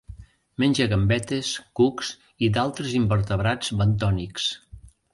Menja gambetes, cucs i d'altres invertebrats bentònics.